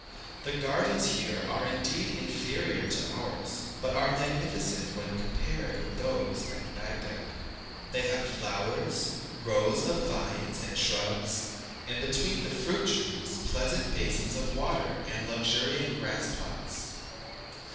The gardens here are, indeed, inferior to ours, but are magnificent when compared with those at Baghdad. They have flowers, rows of vines and shrubs, and between the fruit trees pleasant basins of water and luxuriant grass plots.